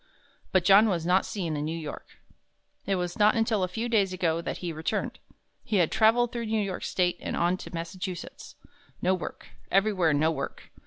But John was not seen in New York. It was not until a few days ago that he returned. He had traveled through New York State and on to Massachusetts. No work everywhere no work!